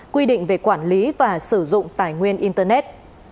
quy định về quản lý và sử dụng tài nguyên internet